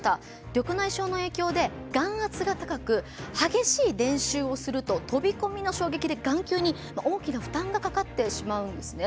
緑内障の影響で眼圧が高く激しい練習をすると飛び込みの衝撃で眼球に大きな負担がかかってしまうんですね。